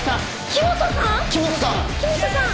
⁉黄本さん！